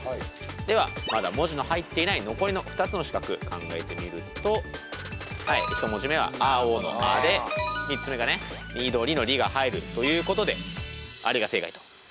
ではまだ文字の入っていない残りの２つの四角考えてみると一文字目は青の「あ」で３つ目がね緑の「り」が入るということで「あり」が正解と。